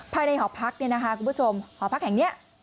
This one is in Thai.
หอพักเนี่ยนะคะคุณผู้ชมหอพักแห่งนี้